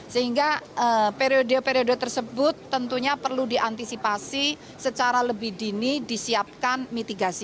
sehingga periode periode tersebut tentunya perlu diantisipasi secara lebih dini disiapkan mitigasi